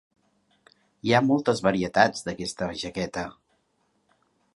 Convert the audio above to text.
Hi ha moltes varietats d'aquesta jaqueta.